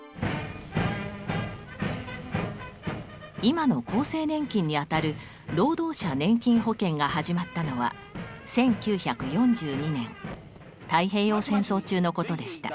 今の厚生年金にあたる労働者年金保険が始まったのは１９４２年太平洋戦争中のことでした。